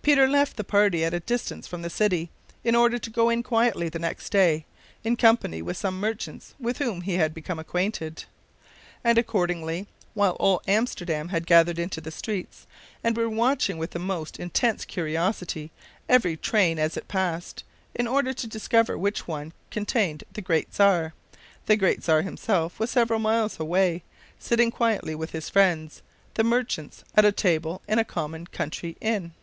Peter left the party at a distance from the city, in order to go in quietly the next day, in company with some merchants with whom he had become acquainted. And, accordingly, while all Amsterdam had gathered into the streets, and were watching with the most intense curiosity every train as it passed, in order to discover which one contained the great Czar, the great Czar himself was several miles away, sitting quietly with his friends, the merchants, at a table in a common country inn.